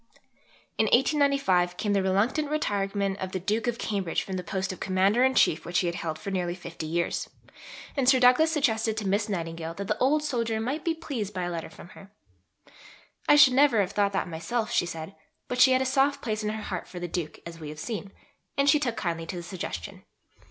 In 1895 came the reluctant retirement of the Duke of Cambridge from the post of Commander in Chief which he had held for nearly fifty years, and Sir Douglas suggested to Miss Nightingale that the old soldier might be pleased by a letter from her. "I should never have thought that myself," she said; but she had a soft place in her heart for the Duke, as we have seen, and she took kindly to the suggestion.